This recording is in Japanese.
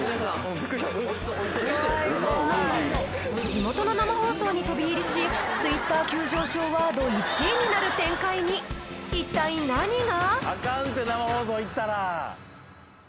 地元の生放送に飛び入りしＴｗｉｔｔｅｒ急上昇ワード１位になる展開に一体何が！？